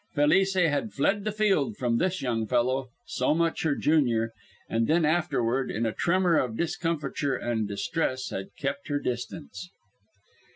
Felice had fled the field from this young fellow, so much her junior, and then afterward, in a tremor of discomfiture and distress, had kept her distance.